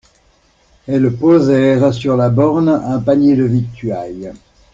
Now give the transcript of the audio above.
Elles posèrent sur la borne un panier de victuailles.